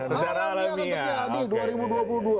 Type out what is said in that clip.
hal hal yang akan terjadi